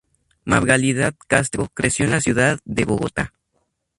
Margalida Castro creció en la ciudad de Bogotá.